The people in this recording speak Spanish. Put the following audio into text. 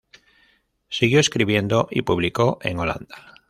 Siguió escribiendo, y publicó en Holanda.